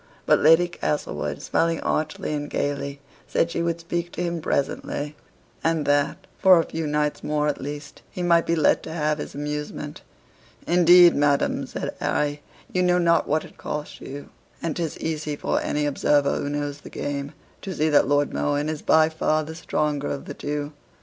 But Lady Castlewood, smiling archly and gayly, said she would speak to him presently, and that, for a few nights more at least, he might be let to have his amusement. "Indeed, madam," said Harry, "you know not what it costs you; and 'tis easy for any observer who knows the game, to see that Lord Mohun is by far the stronger of the two."